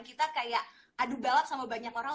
kita kayak adu balap sama banyak orang